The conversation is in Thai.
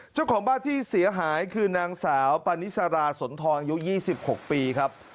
เจ้าของบ้านที่เสียหายคือนางสาวปานิสราสนทองอายุ๒๖ปีครับ